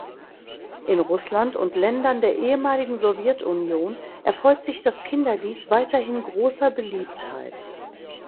In Russland und Ländern der ehemaligen Sowjetunion erfreut sich das Kinderlied weiterhin großer Beliebtheit.